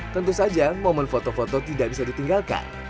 tentu saja momen foto foto tidak bisa ditinggalkan